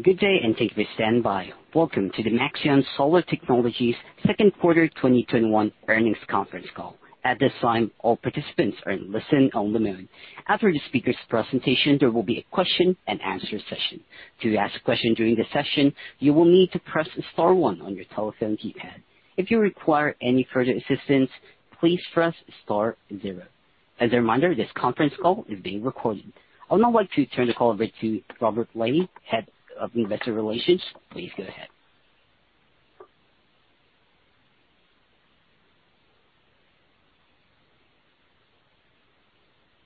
Good day, thank you for standing by. Welcome to the Maxeon Solar Technologies second quarter 2021 earnings conference call. At this time, all participants are in listen-only mode. After the speakers' presentation, there will be a question and answer session. To ask a question during the session, you will need to press star one on your telephone keypad. If you require any further assistance, please press star zero. As a reminder, this conference call is being recorded. I would now like to turn the call over to Robert Lahey, Head of Investor Relations. Please go ahead.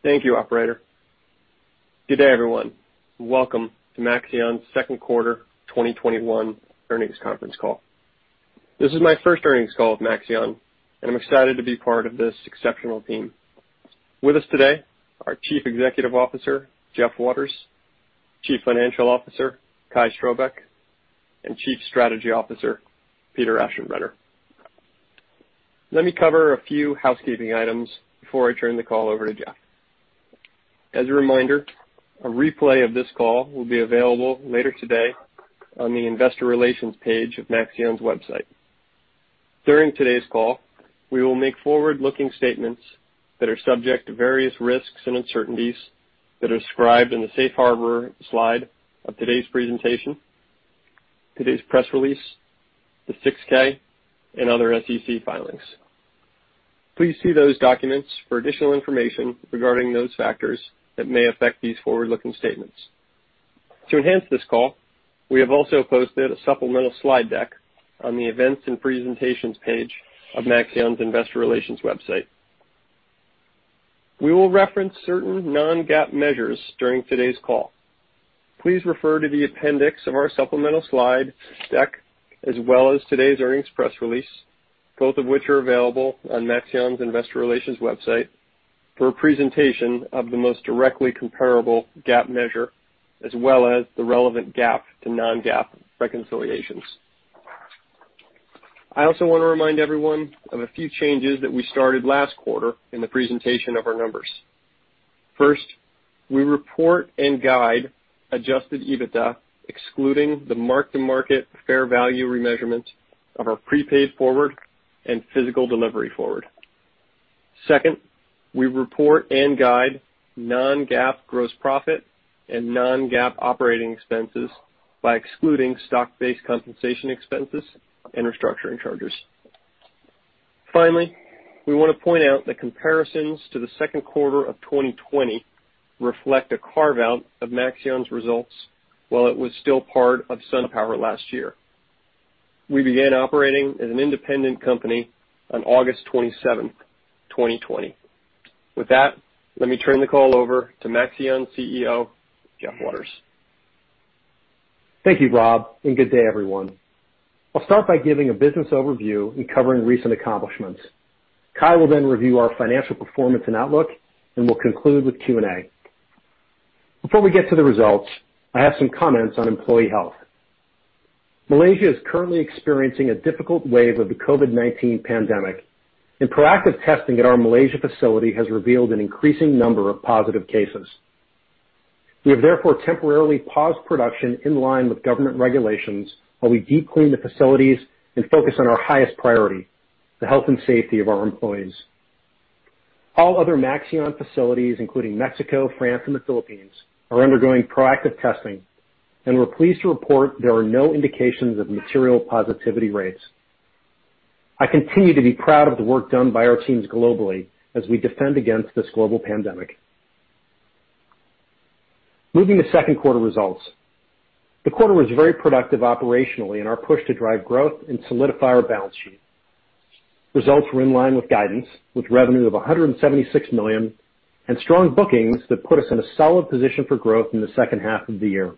Thank you, operator. Good day, everyone. Welcome to Maxeon's second quarter 2021 earnings conference call. This is my first earnings call with Maxeon, and I'm excited to be part of this exceptional team. With us today are Chief Executive Officer, Jeff Waters, Chief Financial Officer, Kai Strohbecke, and Chief Strategy Officer, Peter Aschenbrenner. Let me cover a few housekeeping items before I turn the call over to Jeff. As a reminder, a replay of this call will be available later today on the investor relations page of Maxeon's website. During today's call, we will make forward-looking statements that are subject to various risks and uncertainties that are described in the safe harbor slide of today's presentation, today's press release, the 6-K, and other SEC filings. Please see those documents for additional information regarding those factors that may affect these forward-looking statements. To enhance this call, we have also posted a supplemental slide deck on the events and presentations page of Maxeon's investor relations website. We will reference certain non-GAAP measures during today's call. Please refer to the appendix of our supplemental slide deck as well as today's earnings press release, both of which are available on Maxeon's investor relations website, for a presentation of the most directly comparable GAAP measure, as well as the relevant GAAP to non-GAAP reconciliations. I also want to remind everyone of a few changes that we started last quarter in the presentation of our numbers. First, we report and guide adjusted EBITDA excluding the mark-to-market fair value remeasurement of our prepaid forward and physical delivery forward. Second, we report and guide non-GAAP gross profit and non-GAAP operating expenses by excluding stock-based compensation expenses and restructuring charges. Finally, we want to point out that comparisons to the second quarter of 2020 reflect a carve-out of Maxeon's results while it was still part of SunPower last year. We began operating as an independent company on August 27th, 2020. With that, let me turn the call over to Maxeon CEO, Jeff Waters. Thank you, Rob, and good day, everyone. I'll start by giving a business overview and covering recent accomplishments. Kai will then review our financial performance and outlook, and we'll conclude with Q&A. Before we get to the results, I have some comments on employee health. Malaysia is currently experiencing a difficult wave of the COVID-19 pandemic, and proactive testing at our Malaysia facility has revealed an increasing number of positive cases. We have therefore temporarily paused production in line with government regulations while we deep clean the facilities and focus on our highest priority, the health and safety of our employees. All other Maxeon facilities, including Mexico, France, and the Philippines, are undergoing proactive testing, and we're pleased to report there are no indications of material positivity rates. I continue to be proud of the work done by our teams globally as we defend against this global pandemic. Moving to second quarter results. The quarter was very productive operationally in our push to drive growth and solidify our balance sheet. Results were in line with guidance, with revenue of $176 million and strong bookings that put us in a solid position for growth in the second half of the year.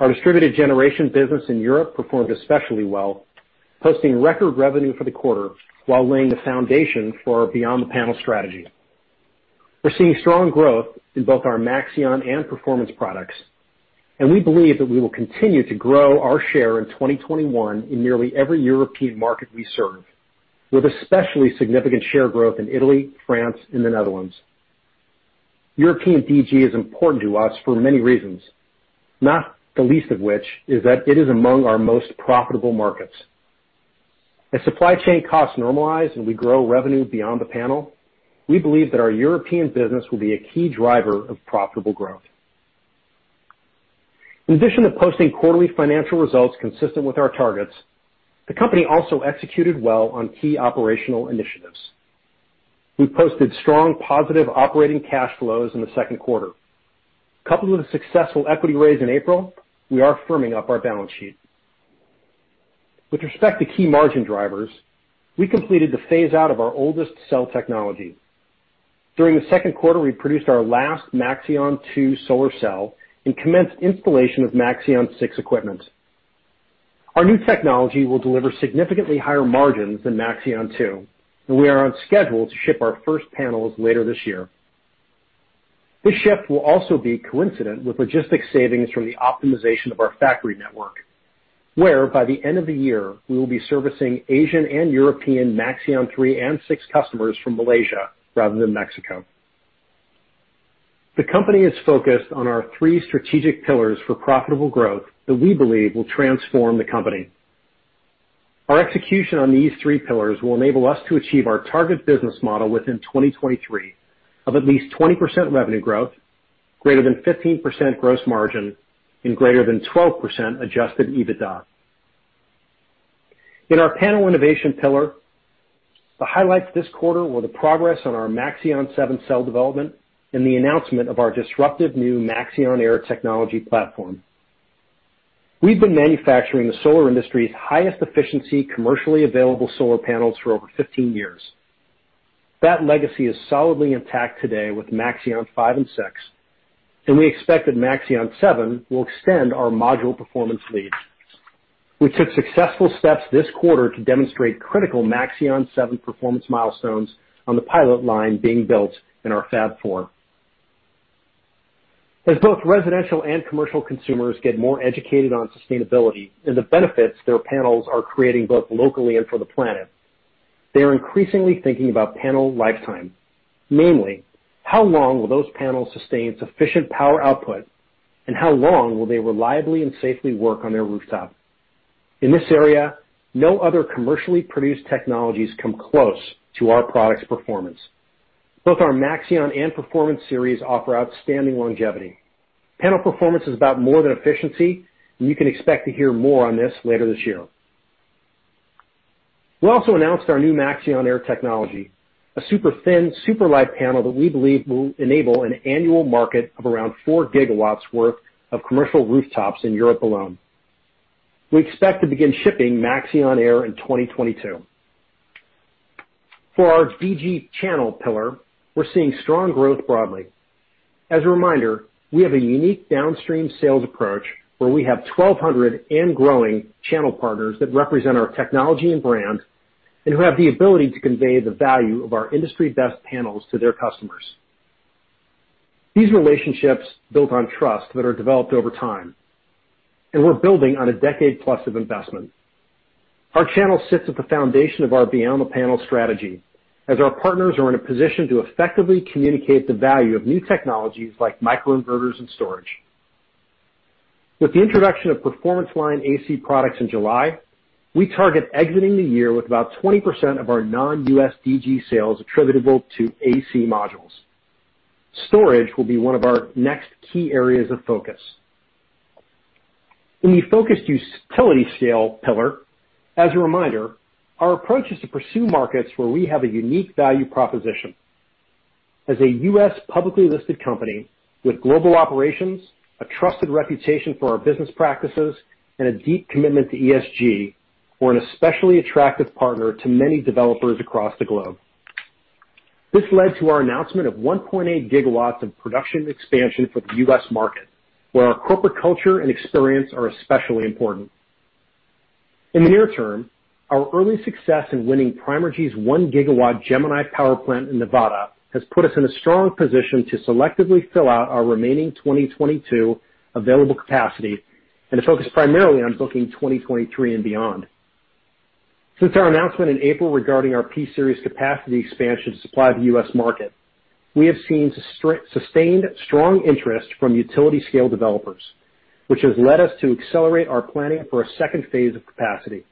Our DG business in Europe performed especially well, posting record revenue for the quarter while laying the foundation for our beyond-the-panel strategy. We're seeing strong growth in both our Maxeon and Performance products, and we believe that we will continue to grow our share in 2021 in nearly every European market we serve, with especially significant share growth in Italy, France, and the Netherlands. European DG is important to us for many reasons, not the least of which is that it is among our most profitable markets. As supply chain costs normalize and we grow revenue beyond the panel, we believe that our European business will be a key driver of profitable growth. In addition to posting quarterly financial results consistent with our targets, the company also executed well on key operational initiatives. We posted strong positive operating cash flows in the second quarter. Coupled with a successful equity raise in April, we are firming up our balance sheet. With respect to key margin drivers, we completed the phase-out of our oldest cell technology. During the second quarter, we produced our last Maxeon 2 solar cell and commenced installation of Maxeon 6 equipment. Our new technology will deliver significantly higher margins than Maxeon 2, and we are on schedule to ship our first panels later this year. This shift will also be coincident with logistics savings from the optimization of our factory network. Where by the end of the year, we will be servicing Asian and European Maxeon 3 and 6 customers from Malaysia rather than Mexico. The company is focused on our three strategic pillars for profitable growth that we believe will transform the company. Our execution on these three pillars will enable us to achieve our target business model within 2023 of at least 20% revenue growth, greater than 15% gross margin, and greater than 12% adjusted EBITDA. In our panel innovation pillar, the highlights this quarter were the progress on our Maxeon 7 cell development and the announcement of our disruptive new Maxeon Air technology platform. We've been manufacturing the solar industry's highest efficiency, commercially available solar panels for over 15 years. That legacy is solidly intact today with Maxeon 5 and 6, and we expect that Maxeon 7 will extend our module performance lead. We took successful steps this quarter to demonstrate critical Maxeon 7 performance milestones on the pilot line being built in our fab 4. As both residential and commercial consumers get more educated on sustainability and the benefits their panels are creating both locally and for the planet, they are increasingly thinking about panel lifetime. Namely, how long will those panels sustain sufficient power output, and how long will they reliably and safely work on their rooftop? In this area, no other commercially produced technologies come close to our product's performance. Both our Maxeon and Performance Series offer outstanding longevity. Panel performance is about more than efficiency, and you can expect to hear more on this later this year. We also announced our new Maxeon Air technology, a super thin, super light panel that we believe will enable an annual market of around 4 GW worth of commercial rooftops in Europe alone. We expect to begin shipping Maxeon Air in 2022. For our DG channel pillar, we're seeing strong growth broadly. As a reminder, we have a unique downstream sales approach where we have 1,200 and growing channel partners that represent our technology and brand, and who have the ability to convey the value of our industry best panels to their customers. These relationships built on trust that are developed over time. We're building on a decade plus of investment. Our channel sits at the foundation of our beyond panel strategy as our partners are in a position to effectively communicate the value of new technologies like microinverters and storage. With the introduction of Performance Line AC products in July, we target exiting the year with about 20% of our non-U.S. DG sales attributable to AC modules. Storage will be one of our next key areas of focus. In the focused utility-scale pillar, as a reminder, our approach is to pursue markets where we have a unique value proposition. As a U.S. publicly listed company with global operations, a trusted reputation for our business practices, and a deep commitment to ESG, we're an especially attractive partner to many developers across the globe. This led to our announcement of 1.8 GW of production expansion for the U.S. market, where our corporate culture and experience are especially important. In the near term, our early success in winning Primergy's 1 GW Gemini power plant in Nevada has put us in a strong position to selectively fill out our remaining 2022 available capacity and to focus primarily on booking 2023 and beyond. Since our announcement in April regarding our P-series capacity expansion to supply the U.S. market, we have seen sustained strong interest from utility scale developers, which has led us to accelerate our planning for a second phase of capacity.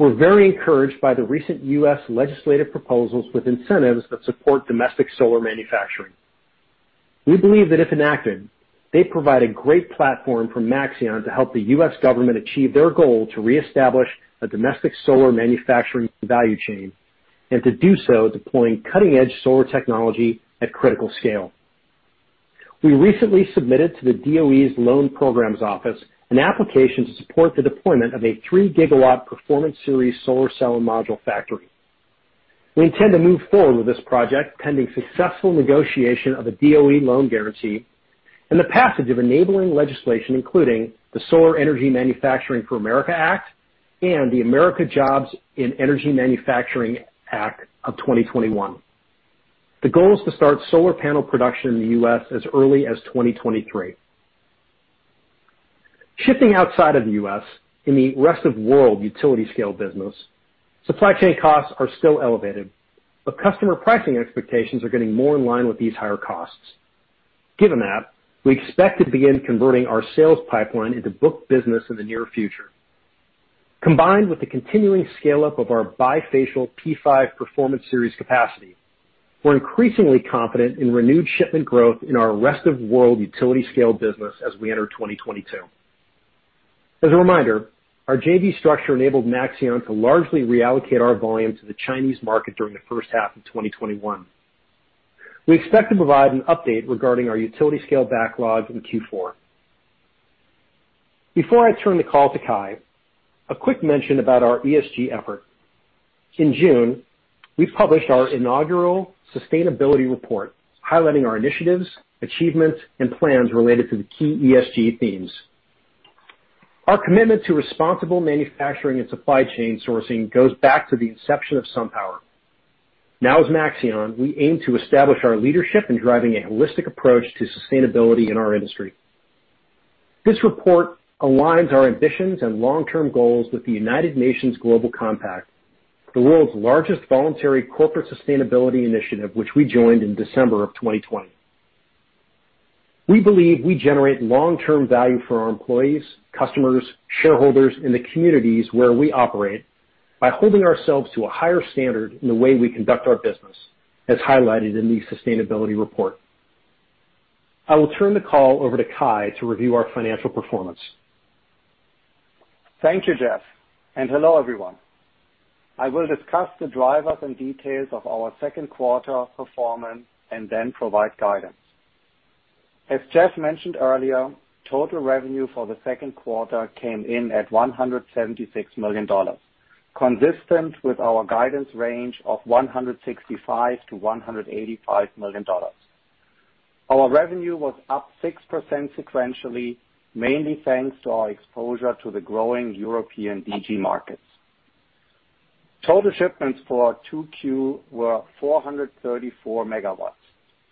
We're very encouraged by the recent U.S. legislative proposals with incentives that support domestic solar manufacturing. We believe that if enacted, they provide a great platform for Maxeon to help the U.S. government achieve their goal to reestablish a domestic solar manufacturing value chain, and to do so deploying cutting-edge solar technology at critical scale. We recently submitted to the DOE's Loan Programs Office an application to support the deployment of a 3 GW Performance Series solar cell and module factory. We intend to move forward with this project pending successful negotiation of a DOE loan guarantee and the passage of enabling legislation, including the Solar Energy Manufacturing for America Act and the American Jobs in Energy Manufacturing Act of 2021. The goal is to start solar panel production in the U.S. as early as 2023. Shifting outside of the U.S. in the rest of world utility scale business, supply chain costs are still elevated, but customer pricing expectations are getting more in line with these higher costs. Given that, we expect to begin converting our sales pipeline into book business in the near future. Combined with the continuing scale-up of our bifacial P5 Performance Series capacity, we're increasingly confident in renewed shipment growth in our rest-of-world utility-scale business as we enter 2022. As a reminder, our JV structure enabled Maxeon to largely reallocate our volume to the Chinese market during the first half of 2021. We expect to provide an update regarding our utility-scale backlog in Q4. Before I turn the call to Kai, a quick mention about our ESG effort. In June, we published our inaugural sustainability report highlighting our initiatives, achievements, and plans related to the key ESG themes. Our commitment to responsible manufacturing and supply chain sourcing goes back to the inception of SunPower. Now as Maxeon, we aim to establish our leadership in driving a holistic approach to sustainability in our industry. This report aligns our ambitions and long-term goals with the United Nations Global Compact, the world's largest voluntary corporate sustainability initiative, which we joined in December of 2020. We believe we generate long-term value for our employees, customers, shareholders in the communities where we operate by holding ourselves to a higher standard in the way we conduct our business, as highlighted in the sustainability report. I will turn the call over to Kai to review our financial performance. Thank you, Jeff, and hello, everyone. I will discuss the drivers and details of our second quarter performance and then provide guidance. As Jeff mentioned earlier, total revenue for the second quarter came in at $176 million, consistent with our guidance range of $165 million-$185 million. Our revenue was up 6% sequentially, mainly thanks to our exposure to the growing European DG markets. Total shipments for 2Q were 434 MW,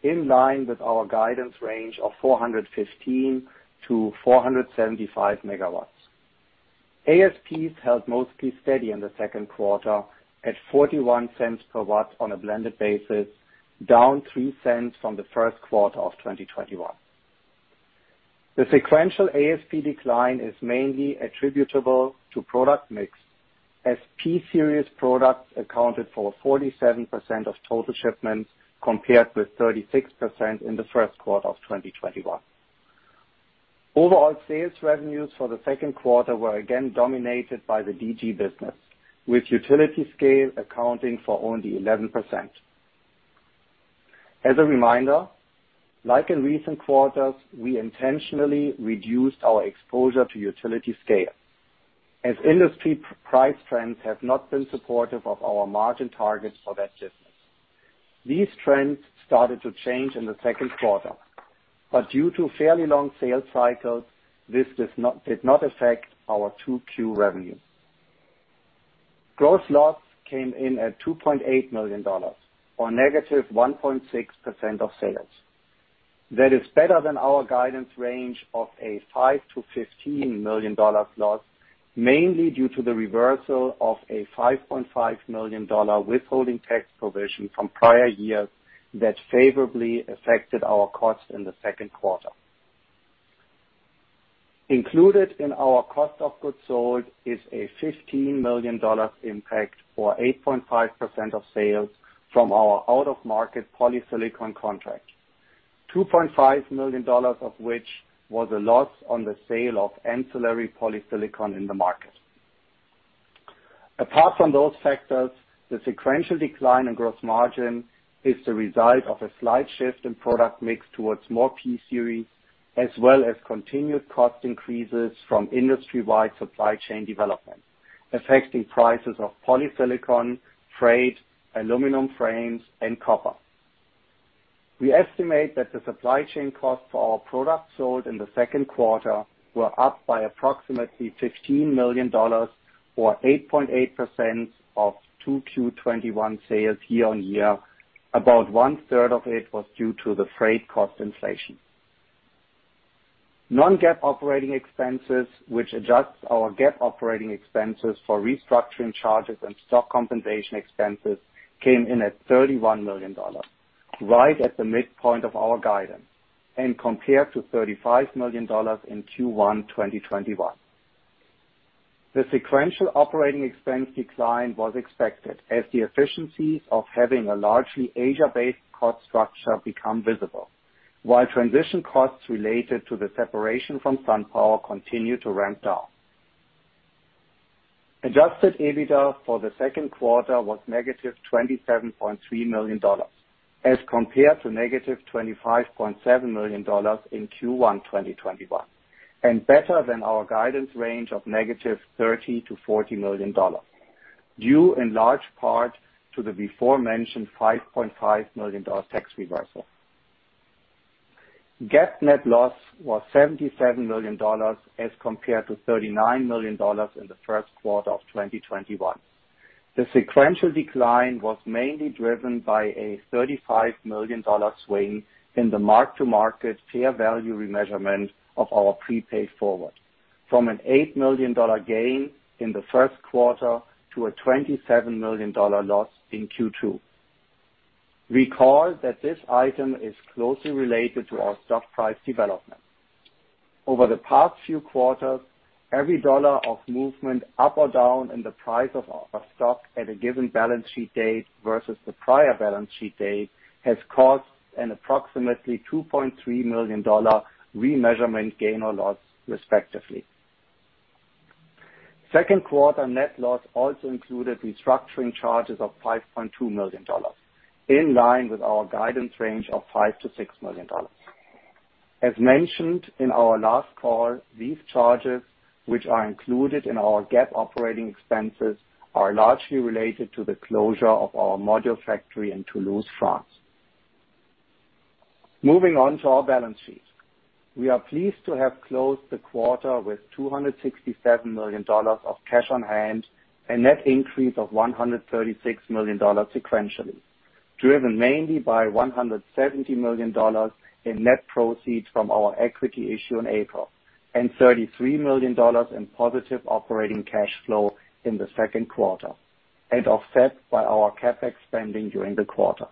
in line with our guidance range of 415 MW-475 MW. ASPs held mostly steady in the second quarter at $0.41 per watt on a blended basis, down $0.03 from the first quarter of 2021. The sequential ASP decline is mainly attributable to product mix, as P-series products accounted for 47% of total shipments, compared with 36% in the first quarter of 2021. Overall sales revenues for the second quarter were again dominated by the DG business, with utility scale accounting for only 11%. As a reminder, like in recent quarters, we intentionally reduced our exposure to utility scale as industry price trends have not been supportive of our margin targets for that business. These trends started to change in the second quarter, but due to fairly long sales cycles, this did not affect our 2Q revenue. Gross loss came in at $2.8 million, or -1.6% of sales. That is better than our guidance range of a $5 million-$15 million loss, mainly due to the reversal of a $5.5 million withholding tax provision from prior years that favorably affected our costs in the second quarter. Included in our cost of goods sold is a $15 million impact, or 8.5% of sales from our out-of-market polysilicon contract. $2.5 million of which was a loss on the sale of ancillary polysilicon in the market. Apart from those factors, the sequential decline in gross margin is the result of a slight shift in product mix towards more P-series, as well as continued cost increases from industry-wide supply chain development, affecting prices of polysilicon, freight, aluminum frames, and copper. We estimate that the supply chain costs for our products sold in the second quarter were up by approximately $15 million, or 8.8% of 2Q 2021 sales year on year. About one-third of it was due to the freight cost inflation. Non-GAAP operating expenses, which adjusts our GAAP operating expenses for restructuring charges and stock compensation expenses, came in at $31 million, right at the midpoint of our guidance, and compared to $35 million in Q1 2021. The sequential operating expense decline was expected as the efficiencies of having a largely Asia-based cost structure become visible. While transition costs related to the separation from SunPower continue to ramp down. Adjusted EBITDA for the second quarter was -$27.3 million as compared to -$25.7 million in Q1 2021, and better than our guidance range of -$30 million to -$40 million, due in large part to the before-mentioned $5.5 million tax reversal. GAAP net loss was $77 million as compared to $39 million in the first quarter of 2021. The sequential decline was mainly driven by a $35 million swing in the mark-to-market fair value remeasurement of our prepaid forward from an $8 million gain in the first quarter to a $27 million loss in Q2. Recall that this item is closely related to our stock price development. Over the past few quarters, every dollar of movement up or down in the price of our stock at a given balance sheet date versus the prior balance sheet date has caused an approximately $2.3 million remeasurement gain or loss, respectively. Second quarter net loss also included restructuring charges of $5.2 million, in line with our guidance range of $5 million-$6 million. As mentioned in our last call, these charges, which are included in our GAAP operating expenses, are largely related to the closure of our module factory in Toulouse, France. Moving on to our balance sheet. We are pleased to have closed the quarter with $267 million of cash on hand, a net increase of $136 million sequentially, driven mainly by $170 million in net proceeds from our equity issue in April, and $33 million in positive operating cash flow in the second quarter, and offset by our CapEx spending during the quarter.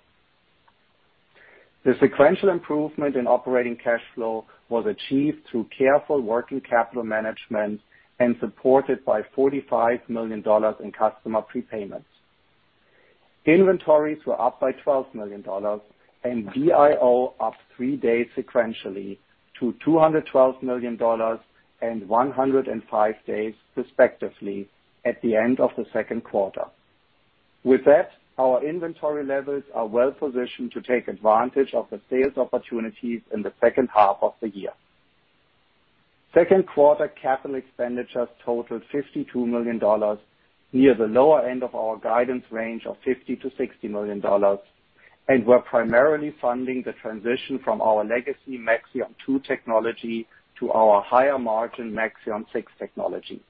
The sequential improvement in operating cash flow was achieved through careful working capital management and supported by $45 million in customer prepayments. Inventories were up by $12 million, and DIO up three days sequentially to $212 million and 105 days respectively at the end of the second quarter. With that, our inventory levels are well-positioned to take advantage of the sales opportunities in the second half of the year. Second quarter capital expenditures totaled $52 million, near the lower end of our guidance range of $50 million-$60 million, and were primarily funding the transition from our legacy Maxeon 2 technology to our higher margin Maxeon 6 technology,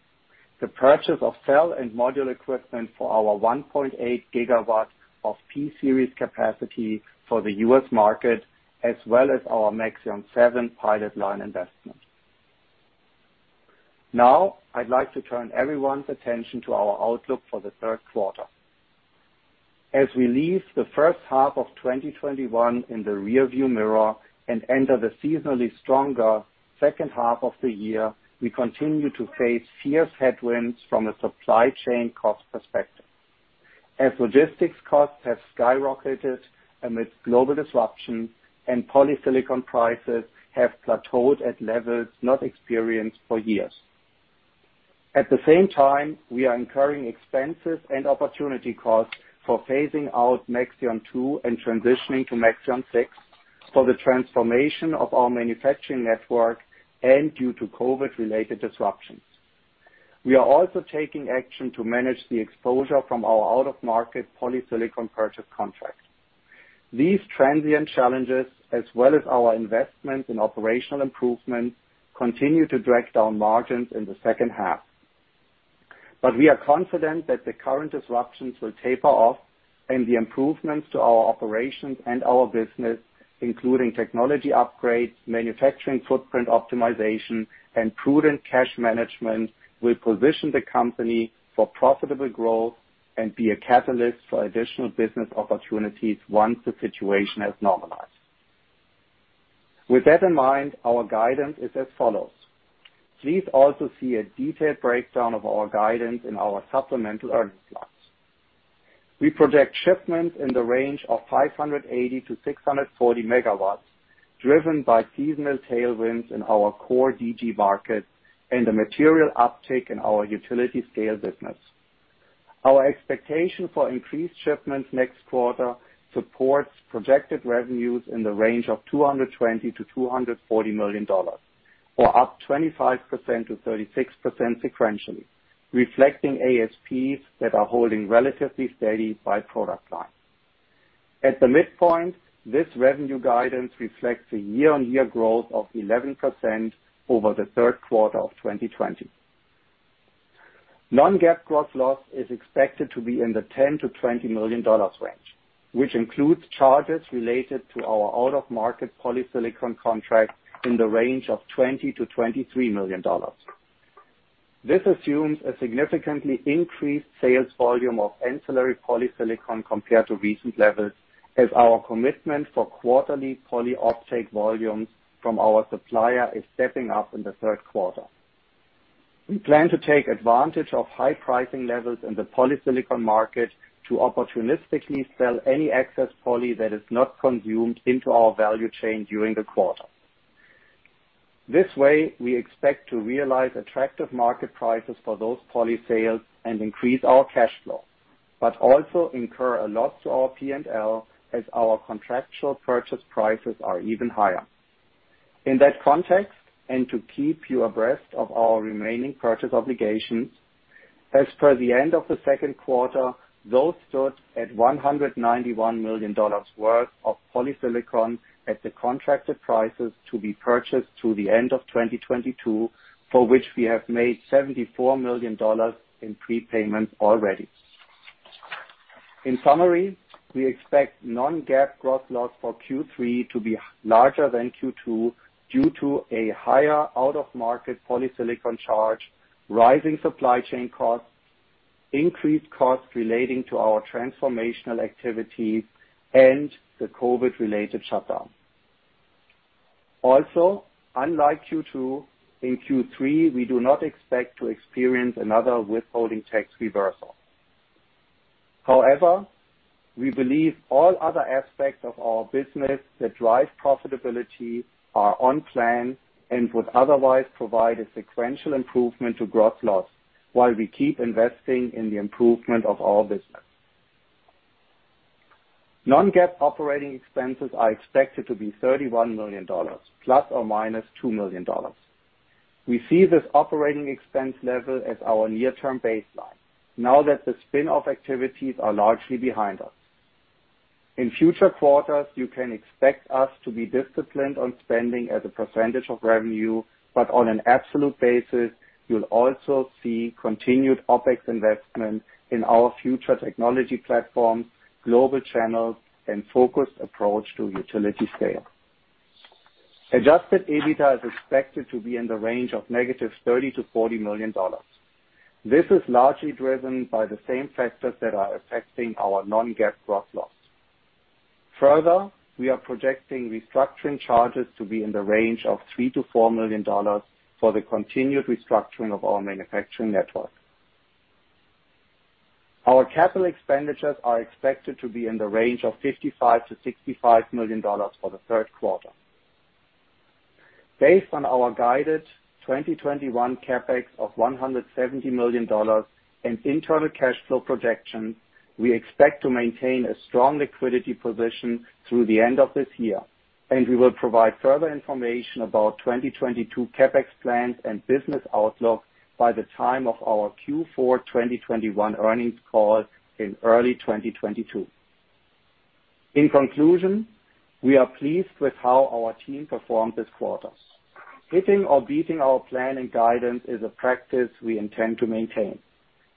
the purchase of cell and module equipment for our 1.8 GW of P-series capacity for the U.S. market, as well as our Maxeon 7 pilot line investment. Now, I'd like to turn everyone's attention to our outlook for the third quarter. As we leave the first half of 2021 in the rearview mirror and enter the seasonally stronger second half of the year, we continue to face fierce headwinds from a supply chain cost perspective, as logistics costs have skyrocketed amidst global disruption, and polysilicon prices have plateaued at levels not experienced for years. At the same time, we are incurring expenses and opportunity costs for phasing out Maxeon 2 and transitioning to Maxeon 6 for the transformation of our manufacturing network and due to COVID-related disruptions. We are also taking action to manage the exposure from our out-of-market polysilicon purchase contracts. These transient challenges, as well as our investments in operational improvements, continue to drag down margins in the second half. We are confident that the current disruptions will taper off and the improvements to our operations and our business, including technology upgrades, manufacturing footprint optimization, and prudent cash management, will position the company for profitable growth and be a catalyst for additional business opportunities once the situation has normalized. With that in mind, our guidance is as follows. Please also see a detailed breakdown of our guidance in our supplemental earnings slides. We project shipments in the range of 580 MW-640 MW, driven by seasonal tailwinds in our core DG markets and a material uptick in our utility-scale business. Our expectation for increased shipments next quarter supports projected revenues in the range of $220 million-$240 million, or up 25%-36% sequentially, reflecting ASPs that are holding relatively steady by product line. At the midpoint, this revenue guidance reflects a year-over-year growth of 11% over the third quarter of 2020. non-GAAP gross loss is expected to be in the $10 million-$20 million range, which includes charges related to our out-of-market polysilicon contract in the range of $20 million-$23 million. This assumes a significantly increased sales volume of ancillary polysilicon compared to recent levels, as our commitment for quarterly poly offtake volumes from our supplier is stepping up in the third quarter. We plan to take advantage of high pricing levels in the polysilicon market to opportunistically sell any excess poly that is not consumed into our value chain during the quarter. This way, we expect to realize attractive market prices for those poly sales and increase our cash flow, but also incur a loss to our P&L as our contractual purchase prices are even higher. In that context, and to keep you abreast of our remaining purchase obligations, as per the end of the second quarter, those stood at $191 million worth of polysilicon at the contracted prices to be purchased through the end of 2022, for which we have made $74 million in prepayments already. In summary, we expect non-GAAP gross loss for Q3 to be larger than Q2 due to a higher out-of-market polysilicon charge, rising supply chain costs, increased costs relating to our transformational activities, and the COVID-related shutdown. Also, unlike Q2, in Q3, we do not expect to experience another withholding tax reversal. We believe all other aspects of our business that drive profitability are on plan and would otherwise provide a sequential improvement to gross loss while we keep investing in the improvement of our business. Non-GAAP operating expenses are expected to be $31 million, ±$2 million. We see this operating expense level as our near-term baseline now that the spin-off activities are largely behind us. In future quarters, you can expect us to be disciplined on spending as a percentage of revenue, but on an absolute basis, you'll also see continued OpEx investment in our future technology platforms, global channels, and focused approach to utility scale. Adjusted EBITDA is expected to be in the range of -$30 million to -$40 million. This is largely driven by the same factors that are affecting our non-GAAP gross loss. Further, we are projecting restructuring charges to be in the range of $3 million-$4 million for the continued restructuring of our manufacturing network. Our capital expenditures are expected to be in the range of $55 million-$65 million for the third quarter. Based on our guided 2021 CapEx of $170 million and internal cash flow projections, we expect to maintain a strong liquidity position through the end of this year, and we will provide further information about 2022 CapEx plans and business outlook by the time of our Q4 2021 earnings call in early 2022. In conclusion, we are pleased with how our team performed this quarter. Hitting or beating our plan and guidance is a practice we intend to maintain.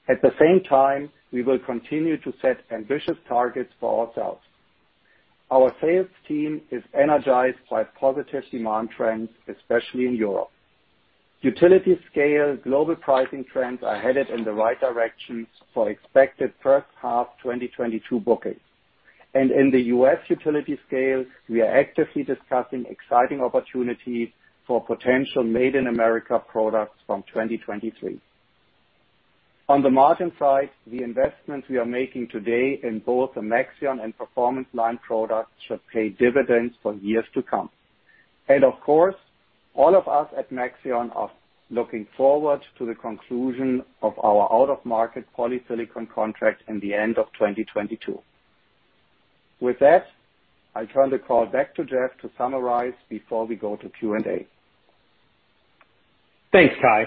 At the same time, we will continue to set ambitious targets for ourselves. Our sales team is energized by positive demand trends, especially in Europe. Utility scale global pricing trends are headed in the right direction for expected first half 2022 bookings. In the U.S. utility scale, we are actively discussing exciting opportunities for potential Made in America products from 2023. On the margin side, the investments we are making today in both the Maxeon and Performance Line products should pay dividends for years to come. Of course, all of us at Maxeon are looking forward to the conclusion of our out-of-market polysilicon contract in the end of 2022. With that, I turn the call back to Jeff to summarize before we go to Q&A. Thanks, Kai.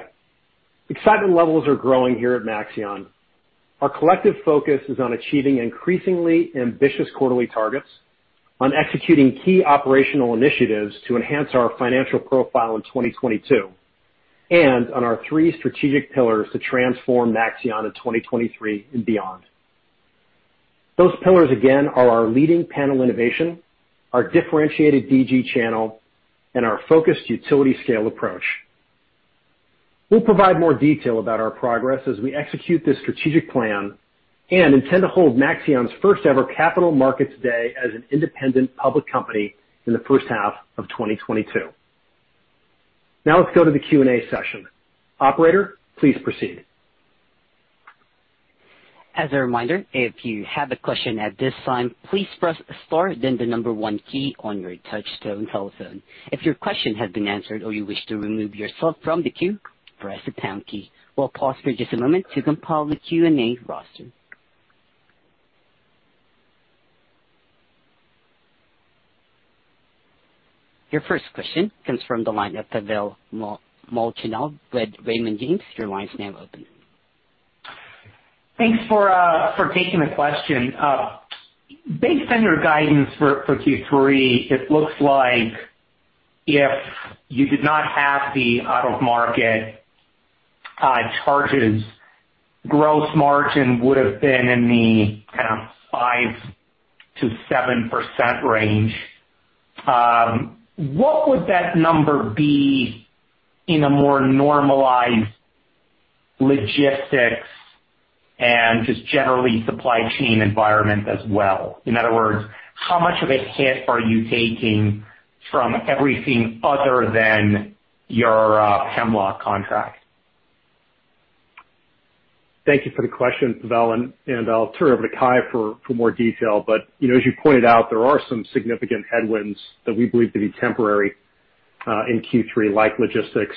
Excitement levels are growing here at Maxeon. Our collective focus is on achieving increasingly ambitious quarterly targets, on executing key operational initiatives to enhance our financial profile in 2022, and on our three strategic pillars to transform Maxeon in 2023 and beyond. Those pillars, again, are our leading panel innovation, our differentiated DG channel, and our focused utility scale approach. We'll provide more detail about our progress as we execute this strategic plan and intend to hold Maxeon's first-ever Capital Markets Day as an independent public company in the first half of 2022. Now let's go to the Q&A session. Operator, please proceed. We'll pause for just a moment to compile the Q&A roster. Your first question comes from the line of Pavel Molchanov with Raymond James. Your line's now open. Thanks for taking the question. Based on your guidance for Q3, it looks like if you did not have the out-of-market charges, gross margin would have been in the 5%-7% range. What would that number be in a more normalized logistics and just generally supply chain environment as well? In other words, how much of a hit are you taking from everything other than your Hemlock contract? Thank you for the question, Pavel. I'll turn it over to Kai for more detail. As you pointed out, there are some significant headwinds that we believe to be temporary, in Q3, like logistics,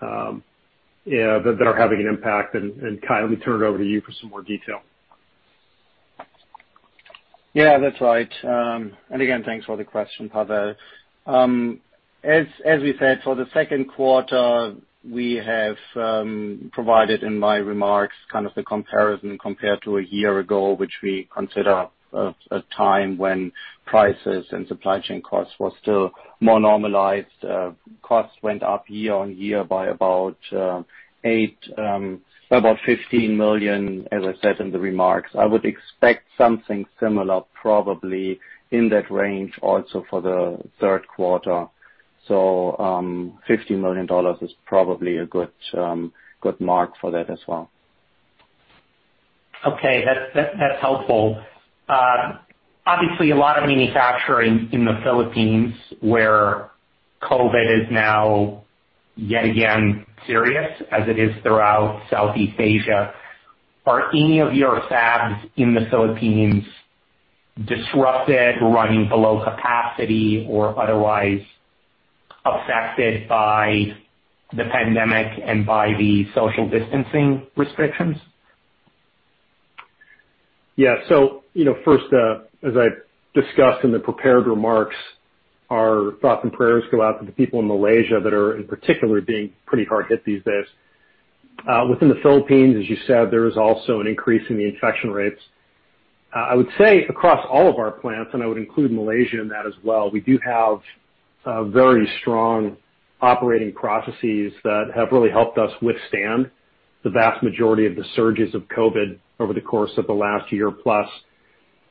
that are having an impact. Kai, let me turn it over to you for some more detail. Yeah, that's right. Again, thanks for the question, Pavel. As we said, for the second quarter, we have provided in my remarks kind of the comparison compared to a year ago, which we consider a time when prices and supply chain costs were still more normalized. Costs went up year on year by about $15 million, as I said in the remarks. I would expect something similar probably in that range also for the third quarter. $15 million is probably a good mark for that as well. Okay. That's helpful. A lot of manufacturing in the Philippines, where COVID is now yet again serious, as it is throughout Southeast Asia. Are any of your fabs in the Philippines disrupted, running below capacity, or otherwise affected by the pandemic and by the social distancing restrictions? Yeah. First, as I discussed in the prepared remarks, our thoughts and prayers go out to the people in Malaysia that are in particular being pretty hard hit these days. Within the Philippines, as you said, there is also an increase in the infection rates. I would say across all of our plants, and I would include Malaysia in that as well, we do have very strong operating processes that have really helped us withstand the vast majority of the surges of COVID over the course of the last year plus.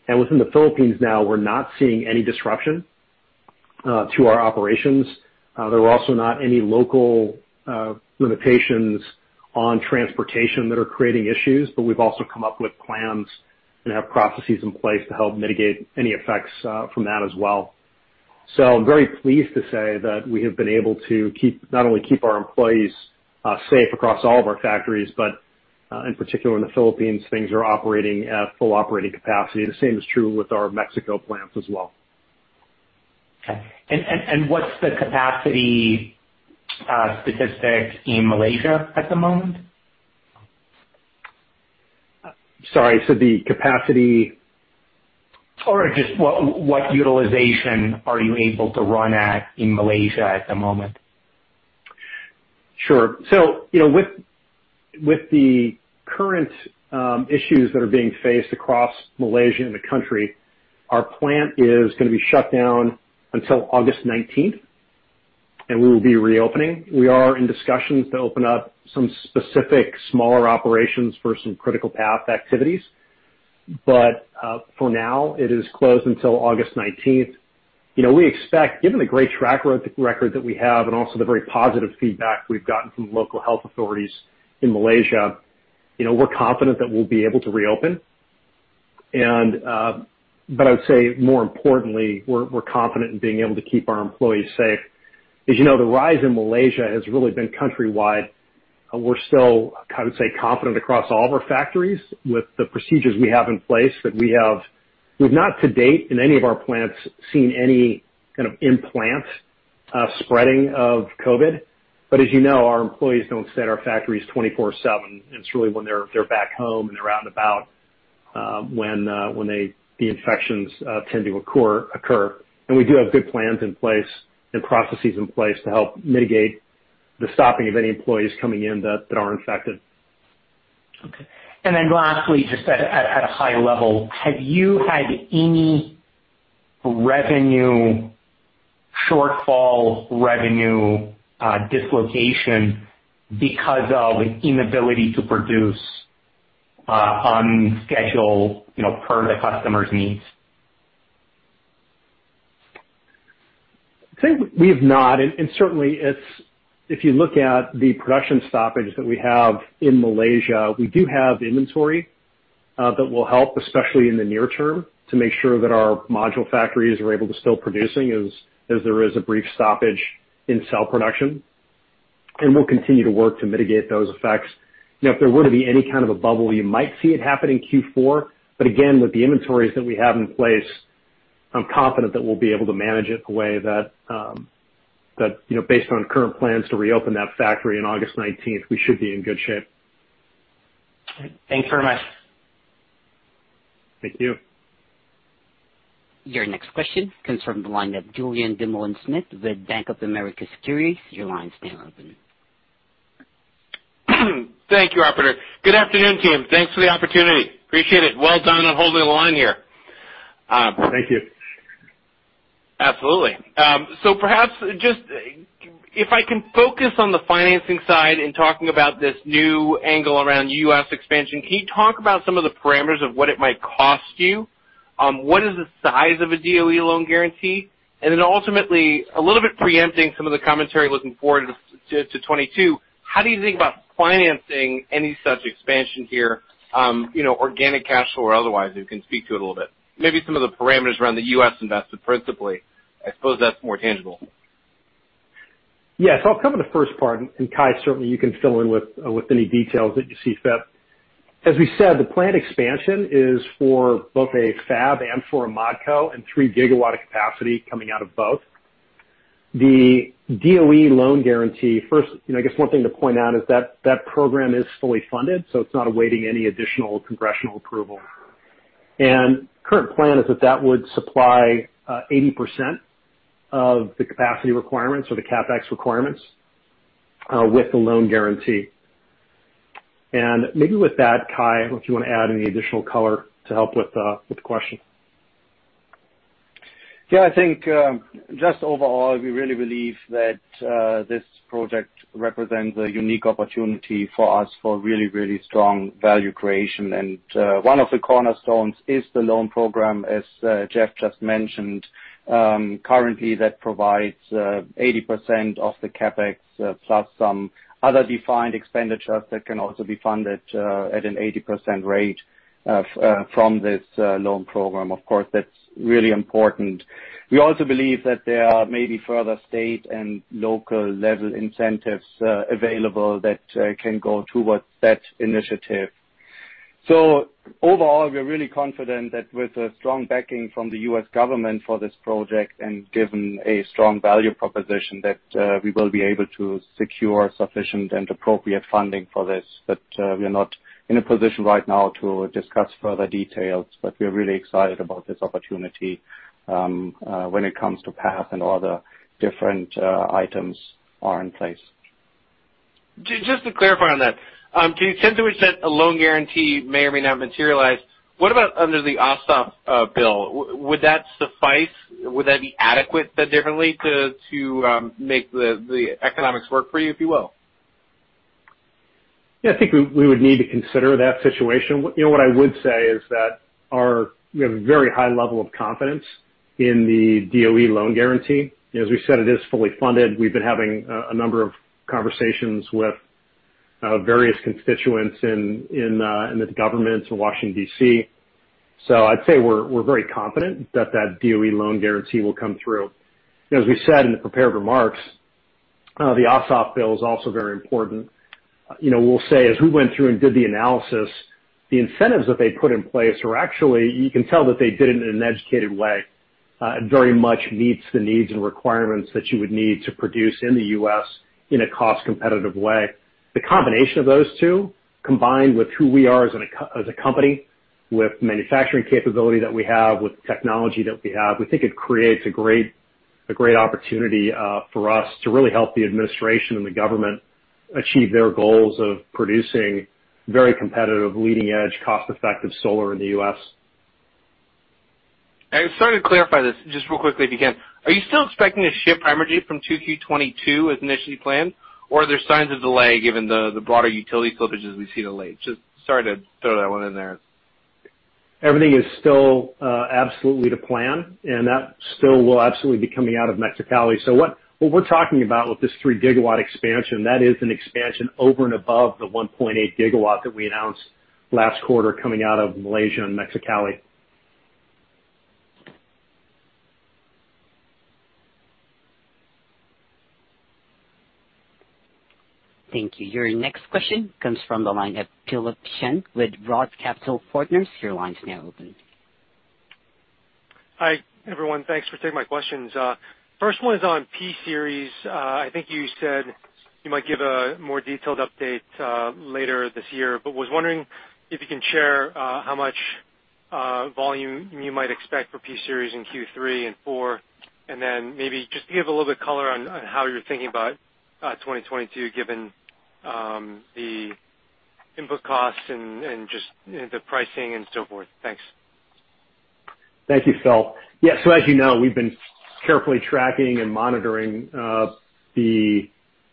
Within the Philippines now, we're not seeing any disruption to our operations. There are also not any local limitations on transportation that are creating issues, but we've also come up with plans and have processes in place to help mitigate any effects from that as well. I'm very pleased to say that we have been able to not only keep our employees safe across all of our factories, but in particular in the Philippines, things are operating at full operating capacity. The same is true with our Mexico plants as well. Okay. What's the capacity statistic in Malaysia at the moment? Sorry, the capacity? Just what utilization are you able to run at in Malaysia at the moment? Sure. With the current issues that are being faced across Malaysia and the country, our plant is going to be shut down until August 19th, and we will be reopening. We are in discussions to open up some specific smaller operations for some critical path activities. For now, it is closed until August 19th. We expect, given the great track record that we have and also the very positive feedback we've gotten from local health authorities in Malaysia, we're confident that we'll be able to reopen. I would say more importantly, we're confident in being able to keep our employees safe. As you know, the rise in Malaysia has really been countrywide. We're still, I would say, confident across all of our factories with the procedures we have in place that we have not to date in any of our plants seen any kind of in-plant spreading of COVID. As you know, our employees don't sit at our factories 24/7, and it's really when they're back home and they're out and about when the infections tend to occur. We do have good plans in place and processes in place to help mitigate the stopping of any employees coming in that are infected. Okay. Lastly, just at a high level, have you had any revenue shortfall, revenue dislocation because of inability to produce on schedule per the customer's needs? I'd say we have not. Certainly if you look at the production stoppage that we have in Malaysia, we do have inventory that will help, especially in the near term, to make sure that our module factories are able to still producing as there is a brief stoppage in cell production. We'll continue to work to mitigate those effects. If there were to be any kind of a bubble, you might see it happen in Q4. Again, with the inventories that we have in place, I'm confident that we'll be able to manage it the way that based on current plans to reopen that factory in August 19th, we should be in good shape. Thanks very much. Thank you. Your next question comes from the line of Julien Dumoulin-Smith with Bank of America Securities. Your line's now open. Thank you, operator. Good afternoon, team. Thanks for the opportunity. Appreciate it. Well done on holding the line here. Thank you. Absolutely. Perhaps just if I can focus on the financing side in talking about this new angle around U.S. expansion, can you talk about some of the parameters of what it might cost you? What is the size of a DOE loan guarantee? Ultimately, a little bit preempting some of the commentary looking forward to 2022, how do you think about financing any such expansion here, organic cash flow or otherwise, you can speak to it a little bit. Maybe some of the parameters around the U.S. invested principally. I suppose that's more tangible. Yes, I'll cover the first part, and Kai, certainly you can fill in with any details that you see fit. As we said, the plant expansion is for both a fab and for a ModCo and 3 GW of capacity coming out of both. The DOE loan guarantee, first, I guess one thing to point out is that that program is fully funded, so it's not awaiting any additional congressional approval. Current plan is that that would supply 80% of the capacity requirements or the CapEx requirements with the loan guarantee. Maybe with that, Kai, if you want to add any additional color to help with the question. I think just overall, we really believe that this project represents a unique opportunity for us for really, really strong value creation. One of the cornerstones is the loan program, as Jeff just mentioned. Currently that provides 80% of the CapEx plus some other defined expenditures that can also be funded at an 80% rate from this loan program. Of course, that's really important. We also believe that there are maybe further state and local level incentives available that can go towards that initiative. Overall, we are really confident that with a strong backing from the U.S. government for this project and given a strong value proposition, that we will be able to secure sufficient and appropriate funding for this. We are not in a position right now to discuss further details. We are really excited about this opportunity, when it comes to pass and all the different items are in place. Just to clarify on that, to the extent to which that loan guarantee may or may not materialize, what about under the Ossoff bill? Would that suffice? Would that be adequate, differently, to make the economics work for you, if you will? I think we would need to consider that situation. What I would say is that we have a very high level of confidence in the DOE loan guarantee. As we said, it is fully funded. We've been having a number of conversations with various constituents in the governments in Washington, D.C. I'd say we're very confident that that DOE loan guarantee will come through. As we said in the prepared remarks, the Ossoff bill is also very important. We'll say, as we went through and did the analysis, the incentives that they put in place are actually, you can tell that they did it in an educated way. It very much meets the needs and requirements that you would need to produce in the U.S. in a cost-competitive way. The combination of those two, combined with who we are as a company, with manufacturing capability that we have, with technology that we have, we think it creates a great opportunity for us to really help the administration and the government achieve their goals of producing very competitive, leading-edge, cost-effective solar in the U.S. I'm sorry to clarify this, just real quickly, if you can. Are you still expecting to ship Primergy from 2Q22 as initially planned, or are there signs of delay given the broader utility slippages we see of late? Sorry to throw that one in there. Everything is still absolutely to plan, and that still will absolutely be coming out of Mexicali. What we're talking about with this 3 GW expansion, that is an expansion over and above the 1.8 GW that we announced last quarter coming out of Malaysia and Mexicali. Thank you. Your next question comes from the line of Philip Shen with ROTH Capital Partners. Your line's now open. Hi, everyone. Thanks for taking my questions. First one is on P-Series. I think you said you might give a more detailed update later this year, but was wondering if you can share how much volume you might expect for P-Series in Q3 and Q4, and then maybe just to give a little bit color on how you're thinking about 2022 given the input costs and just the pricing and so forth. Thanks. Thank you, Philip Shen. As you know, we've been carefully tracking and monitoring the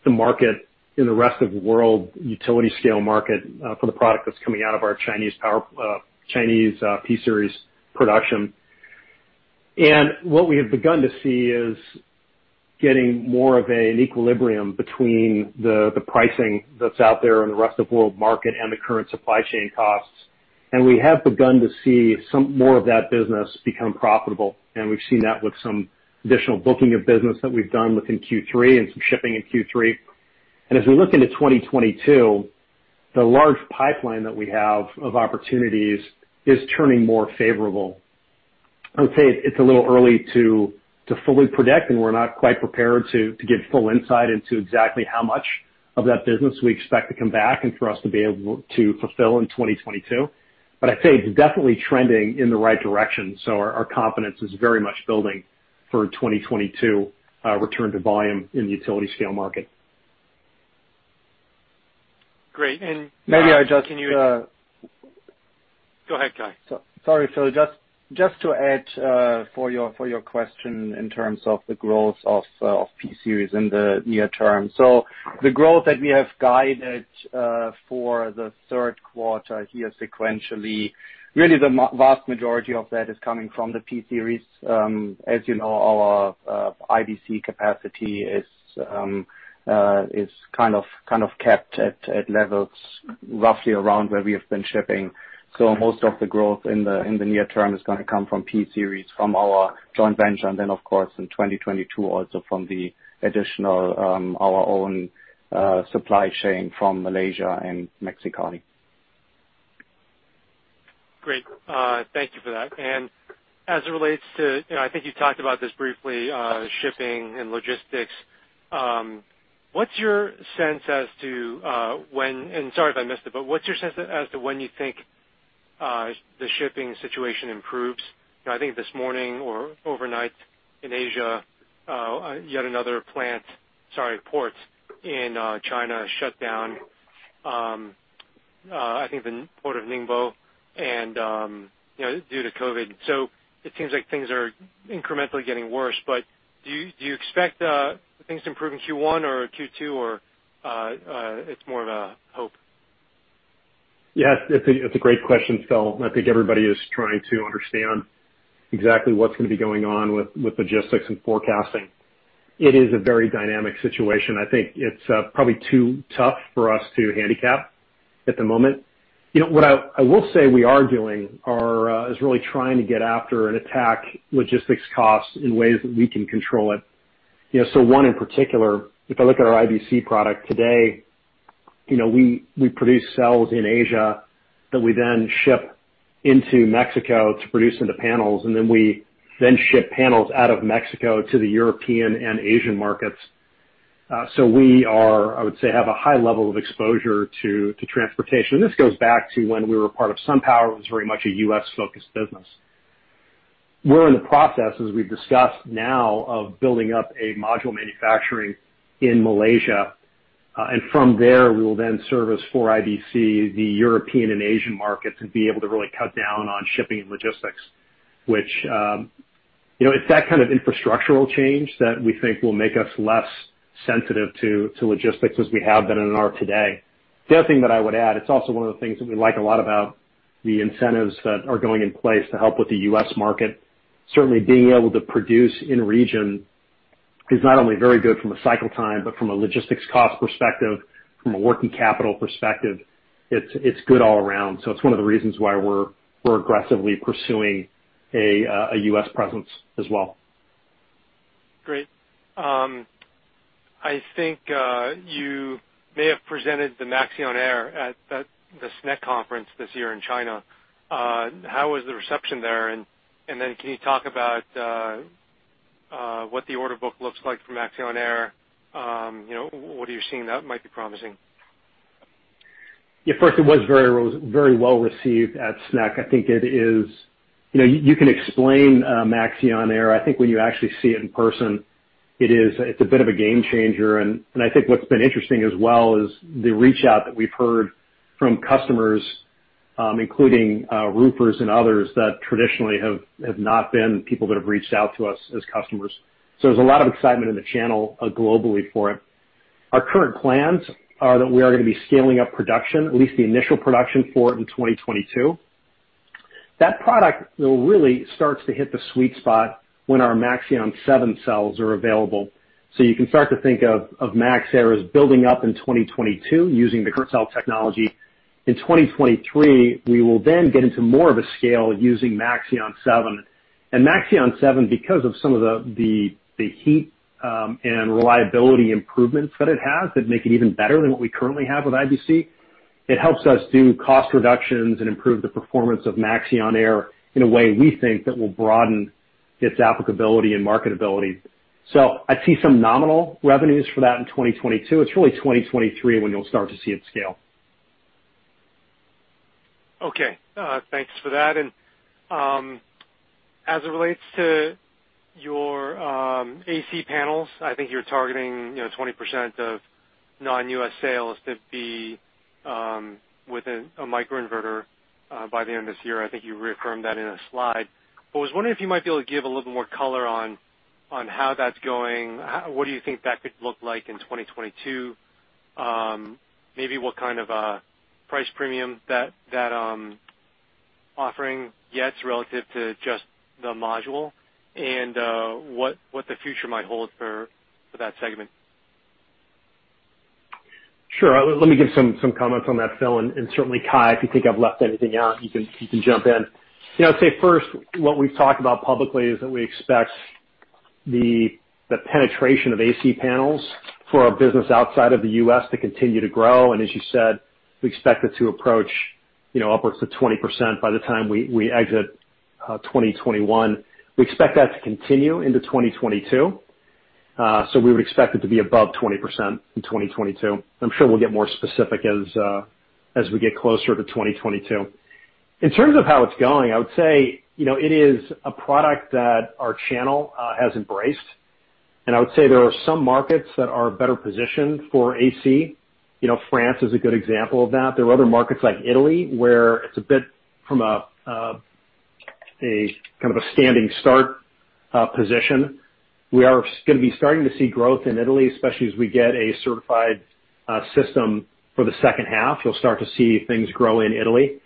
market in the rest of world utility scale market for the product that's coming out of our Chinese P-series production. What we have begun to see is getting more of an equilibrium between the pricing that's out there in the rest of world market and the current supply chain costs. We have begun to see some more of that business become profitable, and we've seen that with some additional booking of business that we've done within Q3 and some shipping in Q3. As we look into 2022, the large pipeline that we have of opportunities is turning more favorable. I would say it's a little early to fully predict, and we're not quite prepared to give full insight into exactly how much of that business we expect to come back and for us to be able to fulfill in 2022. I'd say it's definitely trending in the right direction, so our confidence is very much building for 2022 return to volume in the utility-scale market. Great. Maybe I. Go ahead, Kai. Sorry, Phil. Just to add for your question in terms of the growth of P-series in the near term. The growth that we have guided for the third quarter here sequentially, really the vast majority of that is coming from the P-series. As you know, our IBC capacity is kind of kept at levels roughly around where we have been shipping. Most of the growth in the near term is going to come from P-series, from our joint venture, and then of course in 2022, also from the additional, our own supply chain from Malaysia and Mexicali. Great. Thank you for that. As it relates to, I think you talked about this briefly, shipping and logistics. What's your sense as to when, and sorry if I missed it, but what's your sense as to when you think the shipping situation improves? I think this morning or overnight in Asia, yet another port in China shut down. I think the Port of Ningbo, and due to COVID. It seems like things are incrementally getting worse. Do you expect things to improve in Q1 or Q2, or it's more of a hope? Yeah. It's a great question, Philip Shen. I think everybody is trying to understand exactly what's going to be going on with logistics and forecasting. It is a very dynamic situation. I think it's probably too tough for us to handicap at the moment. What I will say we are doing is really trying to get after and attack logistics costs in ways that we can control it. One in particular, if I look at our IBC product today, we produce cells in Asia that we then ship into Mexico to produce into panels, and then we then ship panels out of Mexico to the European and Asian markets. We are, I would say, have a high level of exposure to transportation. This goes back to when we were part of SunPower, it was very much a U.S.-focused business. We're in the process, as we've discussed now, of building up a module manufacturing in Malaysia. From there, we will then service for IBC, the European and Asian markets, and be able to really cut down on shipping and logistics, which it's that kind of infrastructural change that we think will make us less sensitive to logistics as we have been and are today. The other thing that I would add, it's also one of the things that we like a lot about the incentives that are going in place to help with the U.S. market. Certainly being able to produce in region is not only very good from a cycle time, but from a logistics cost perspective, from a working capital perspective, it's good all around. It's one of the reasons why we're aggressively pursuing a U.S. presence as well. Great. I think, you may have presented the Maxeon Air at the SNEC conference this year in China. How was the reception there? Then can you talk about what the order book looks like for Maxeon Air? What are you seeing that might be promising? Yeah. First, it was very well received at SNEC. I think you can explain Maxeon Air. I think when you actually see it in person, it's a bit of a game changer. I think what's been interesting as well is the reach out that we've heard from customers, including roofers and others that traditionally have not been people that have reached out to us as customers. There's a lot of excitement in the channel globally for it. Our current plans are that we are going to be scaling up production, at least the initial production for it in 2022. That product really starts to hit the sweet spot when our Maxeon 7 cells are available. You can start to think of Maxeon Air as building up in 2022 using the current cell technology. In 2023, we will get into more of a scale using Maxeon 7. Maxeon 7, because of some of the heat and reliability improvements that it has that make it even better than what we currently have with IBC, it helps us do cost reductions and improve the performance of Maxeon Air in a way we think that will broaden its applicability and marketability. I see some nominal revenues for that in 2022. It's really 2023 when you'll start to see it scale. Okay. Thanks for that. As it relates to your AC panels, I think you're targeting 20% of non-U.S. sales to be within a microinverter by the end of this year. I think you reaffirmed that in a slide. I was wondering if you might be able to give a little bit more color on how that's going. What do you think that could look like in 2022? Maybe what kind of a price premium that offering gets relative to just the module and what the future might hold for that segment. Sure. Let me give some comments on that, Phil, and certainly Kai, if you think I've left anything out, you can jump in. I'd say first, what we've talked about publicly is that we expect the penetration of AC panels for our business outside of the U.S. to continue to grow. As you said, we expect it to approach upwards of 20% by the time we exit 2021. We expect that to continue into 2022. We would expect it to be above 20% in 2022. I'm sure we'll get more specific as we get closer to 2022. In terms of how it's going, I would say, it is a product that our channel has embraced. I would say there are some markets that are better positioned for AC. France is a good example of that. There are other markets like Italy, where it's a bit from a kind of a standing start position. We are going to be starting to see growth in Italy, especially as we get a certified system for the second half. You'll start to see things grow in Italy.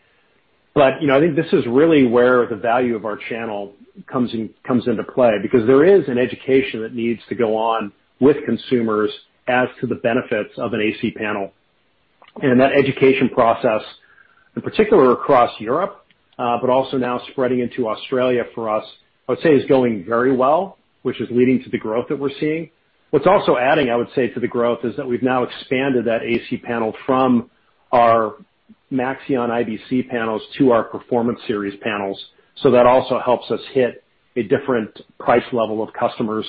I think this is really where the value of our channel comes into play because there is an education that needs to go on with consumers as to the benefits of an AC panel. That education process, in particular across Europe, but also now spreading into Australia for us, I would say is going very well, which is leading to the growth that we're seeing. What's also adding, I would say, to the growth is that we've now expanded that AC panel from our Maxeon IBC panels to our Performance Series panels. That also helps us hit a different price level of customers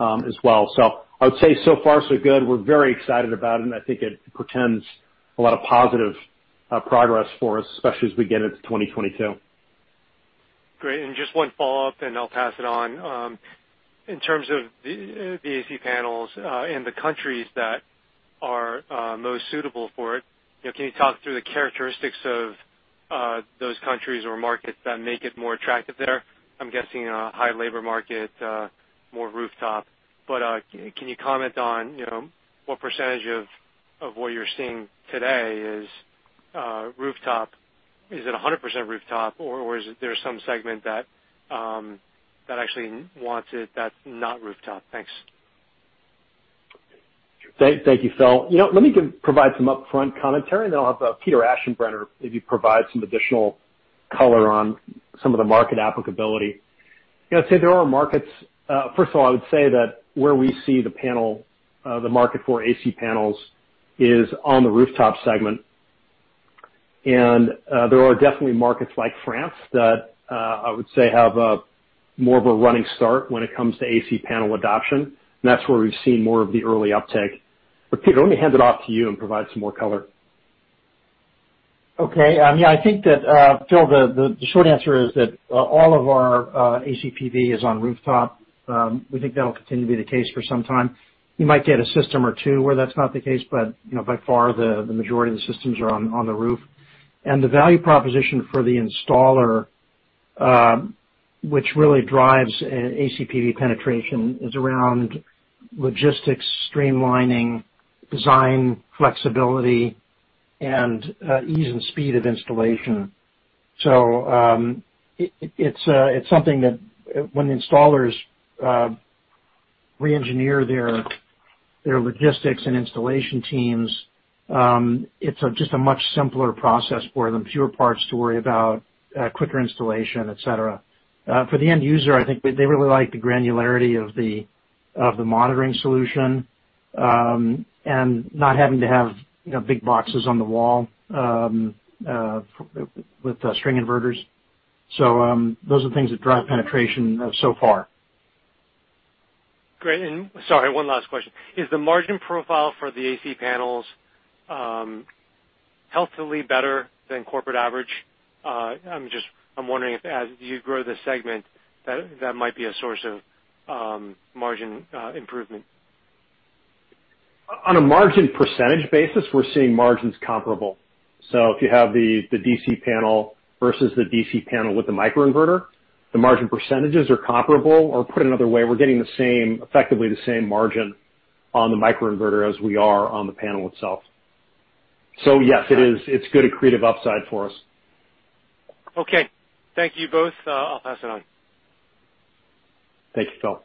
as well. I would say so far so good. We're very excited about it, and I think it portends a lot of positive progress for us, especially as we get into 2022. Great. Just one follow-up, I'll pass it on. In terms of the AC panels, the countries that are most suitable for it, can you talk through the characteristics of those countries or markets that make it more attractive there? I'm guessing a high labor market, more rooftop. Can you comment on what % of what you're seeing today is rooftop? Is it 100% rooftop, or is there some segment that actually wants it that's not rooftop? Thanks. Thank you, Phil. Let me provide some upfront commentary, and then I'll have Peter Aschenbrenner maybe provide some additional color on some of the market applicability. First of all, I would say that where we see the market for AC panels is on the rooftop segment. There are definitely markets like France that I would say have more of a running start when it comes to AC panel adoption, and that's where we've seen more of the early uptake. Peter, let me hand it off to you and provide some more color. Okay. Yeah, I think that, Philip Shen, the short answer is that all of our ACPV is on rooftop. We think that'll continue to be the case for some time. You might get a system or two where that's not the case, by far, the majority of the systems are on the roof. The value proposition for the installer, which really drives ACPV penetration, is around logistics, streamlining, design, flexibility, and ease and speed of installation. It's something that when installers re-engineer their logistics and installation teams, it's just a much simpler process for them, fewer parts to worry about, quicker installation, et cetera. For the end user, I think they really like the granularity of the monitoring solution, and not having to have big boxes on the wall with string inverters. Those are the things that drive penetration so far. Great. Sorry, one last question. Is the margin profile for the AC panels healthily better than corporate average? I'm wondering if as you grow the segment, that that might be a source of margin improvement. On a margin percentage basis, we're seeing margins comparable. If you have the DC panel versus the DC panel with the microinverter, the margin percentages are comparable. Put another way, we're getting effectively the same margin on the microinverter as we are on the panel itself. Yes, it's good accretive upside for us. Okay. Thank you both. I'll pass it on. Thank you, Phil.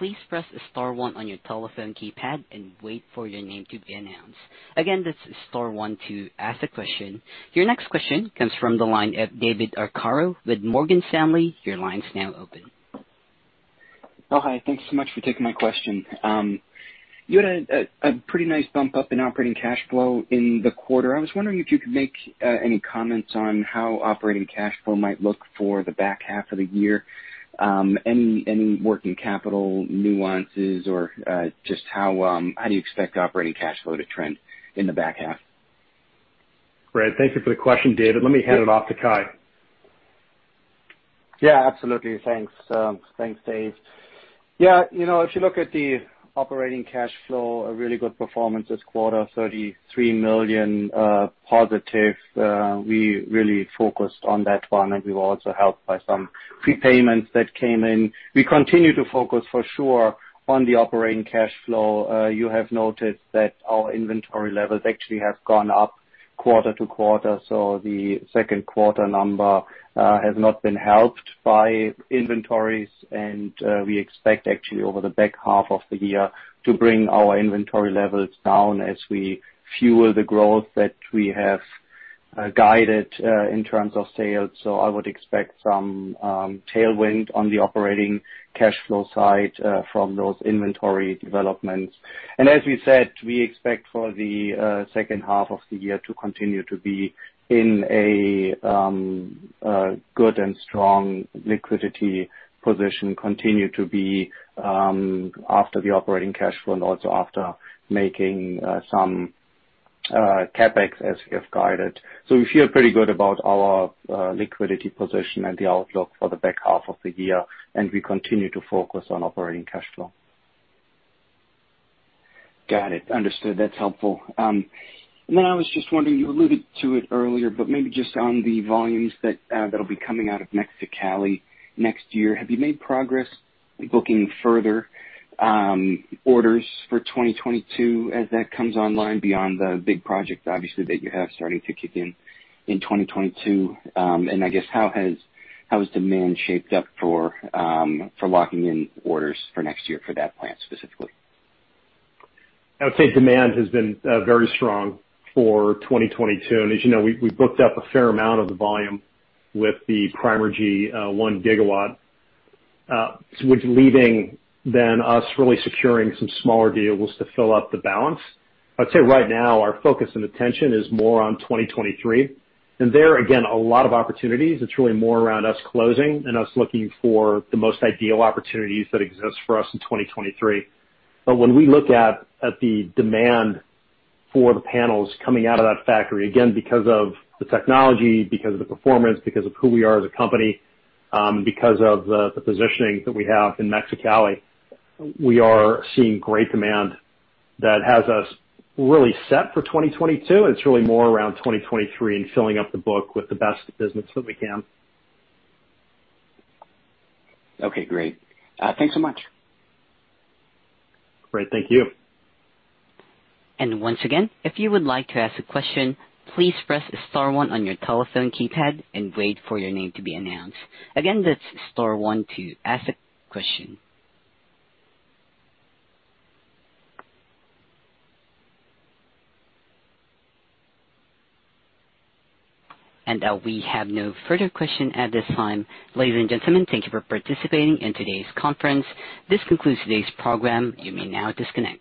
Your next question comes from the line of David Arcaro with Morgan Stanley. Your line's now open. Oh, hi. Thanks so much for taking my question. You had a pretty nice bump up in operating cash flow in the quarter. I was wondering if you could make any comments on how operating cash flow might look for the back half of the year. Any working capital nuances or just how do you expect operating cash flow to trend in the back half? Great. Thank you for the question, David. Let me hand it off to Kai. Absolutely. Thanks, Dave. If you look at the operating cash flow, a really good performance this quarter, $33 million positive. We really focused on that one, and we were also helped by some prepayments that came in. We continue to focus for sure on the operating cash flow. You have noted that our inventory levels actually have gone up quarter to quarter, so the second quarter number has not been helped by inventories. We expect actually over the back half of the year to bring our inventory levels down as we fuel the growth that we have guided in terms of sales. I would expect some tailwind on the operating cash flow side from those inventory developments. As we said, we expect for the second half of the year to continue to be in a good and strong liquidity position, continue to be after the operating cash flow and also after making some CapEx as we have guided. We feel pretty good about our liquidity position and the outlook for the back half of the year, and we continue to focus on operating cash flow. Got it. Understood. That's helpful. I was just wondering, you alluded to it earlier, but maybe just on the volumes that'll be coming out of Mexicali next year, have you made progress booking further orders for 2022 as that comes online beyond the big projects, obviously, that you have starting to kick in in 2022? I guess how has demand shaped up for locking in orders for next year for that plant specifically? I would say demand has been very strong for 2022. As you know, we booked up a fair amount of the volume with the Primergy 1 GW, with leaving then us really securing some smaller deals to fill up the balance. I'd say right now our focus and attention is more on 2023. There, again, a lot of opportunities. It's really more around us closing and us looking for the most ideal opportunities that exist for us in 2023. When we look at the demand for the panels coming out of that factory, again, because of the technology, because of the performance, because of who we are as a company, because of the positioning that we have in Mexicali, we are seeing great demand that has us really set for 2022, and it's really more around 2023 and filling up the book with the best business that we can. Okay, great. Thanks so much. Great. Thank you. Once again, if you would like to ask a question, please press star one on your telephone keypad and wait for your name to be announced. Again, that is star one to ask a question. We have no further question at this time. Ladies and gentlemen, thank you for participating in today's conference. This concludes today's program. You may now disconnect.